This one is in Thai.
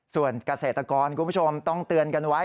ส่วนเกษตรกรคุณผู้ชมต้องเตือนกันไว้